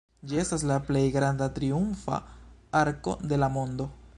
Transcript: Ĝi estas la plej granda triumfa arko de la mondo.